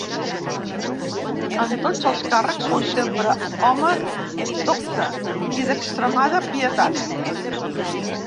En tots els càrrecs fou sempre home docte i d'extremada pietat.